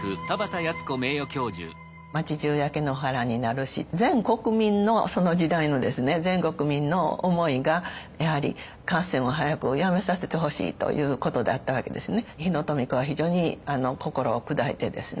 町じゅう焼け野原になるし全国民のその時代のですね全国民の思いがやはり合戦を早くやめさせてほしいということだったわけですね。